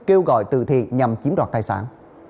kêu gọi từ thiện nhằm chiếm đoạt tài sản